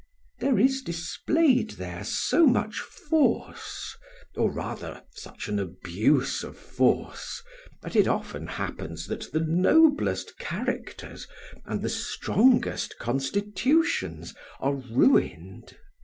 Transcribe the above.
There is displayed there so much force, or rather such an abuse of force, that it often happens that the noblest characters and the strongest constitutions are ruined.